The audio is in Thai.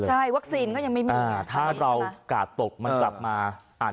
อดทดอีกนิดเดียวให้ทุกอย่างมาแบบ๑๐๐